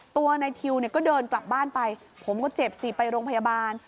ตัวนายทิวเนี่ยก็เดินกลับบ้านไปผมก็เจ็บสิไปโรงพยาบาล